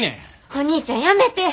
お兄ちゃんやめて。